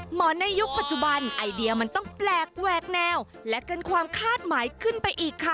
ในยุคปัจจุบันไอเดียมันต้องแปลกแหวกแนวและเกินความคาดหมายขึ้นไปอีกค่ะ